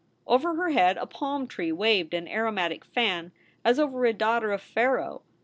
Over her head a palm tree waved an aromatic fan, as over a daughter of Pharaoh.